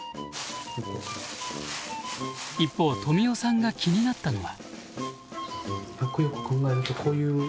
一方とみおさんが気になったのは。